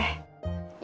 iya terima kasih